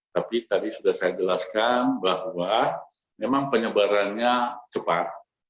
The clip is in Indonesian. tapi tadi sudah saya jelaskan bahwa memang penyebarannya cepat